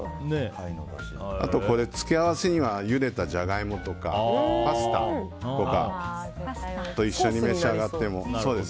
付け合わせにはゆでたジャガイモとかパスタとかと一緒に召し上がってもおいしいです。